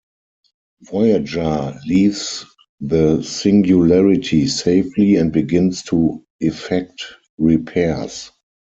"Voyager" leaves the singularity safely and begins to effect repairs.